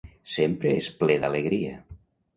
Sempre és ple d'alegria.